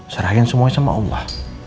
serahkan semuanya kepada allah